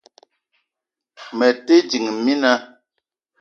Me te ding, mina